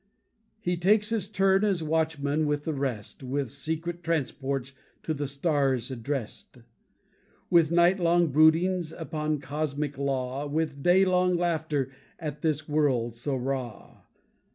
He takes his turn as watchman with the rest, With secret transports to the stars addressed, With nightlong broodings upon cosmic law, With daylong laughter at this world so raw.